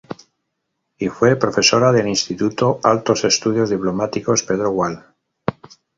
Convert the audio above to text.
Y fue profesora del Instituto de Altos Estudios Diplomáticos "Pedro Gual".